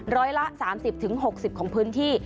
ร้อยละ๓๐๖๐ของพื้นที่